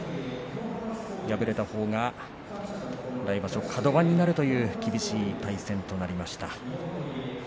敗れたほうが来場所カド番になるという厳しい対戦です。